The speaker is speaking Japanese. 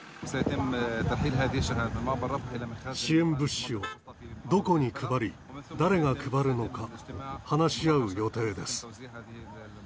支援物資をどこに配り、誰が配るのか、話し合う予定です。